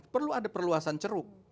perlu ada perluasan ceruk